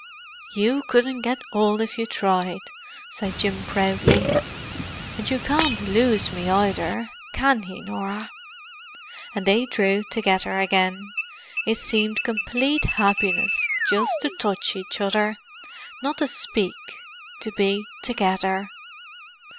"You couldn't get old if you tried," said Jim proudly. "And you can't lose me either—can he, Norah?" They drew together again; it seemed complete happiness just to touch each other—not to speak; to be together.